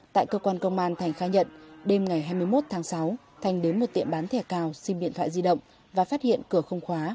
tại cơ quan công an thành khai nhận đêm ngày hai mươi một tháng sáu thành đến một tiệm bán thẻ cào sim điện thoại di động và phát hiện cửa không khóa